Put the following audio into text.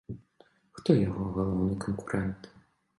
Хто яго галоўны канкурэнт?